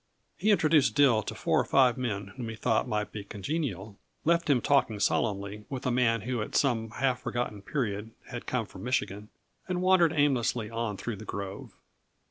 He introduced Dill to four or five men whom he thought might be congenial, left him talking solemnly with a man who at some half forgotten period had come from Michigan, and wandered aimlessly on through the grove.